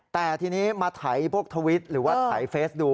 แต่ทีนี้มาถ่ายพวกทวิตหรือว่าถ่ายเฟสดู